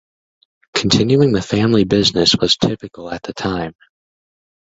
Continuing the family business was typical at the time.